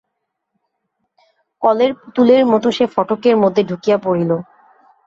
কলের পুতুলের মতো সে ফটকের মধ্যে ঢুকিয়া পড়িল।